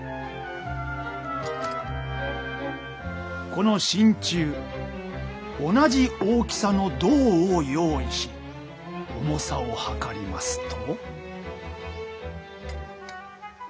この真鍮同じ大きさの銅を用意し重さを量りますと。